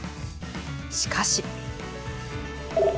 しかし。